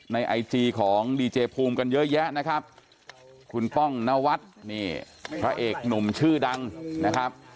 ไอจีของดีเจภูมิกันเยอะแยะนะครับคุณป้องนวัดนี่พระเอกหนุ่มชื่อดังนะครับ